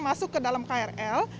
masuk ke dalam krl